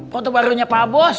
foto barunya pak bos